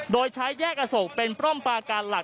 โดยใช้แยกอโศกเป็นปล้อมปาการหลัก